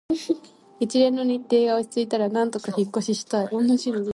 一連の日程が落ち着いたら、なんとか引っ越ししたい